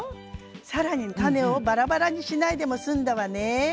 更に種をバラバラにしないでも済んだわね。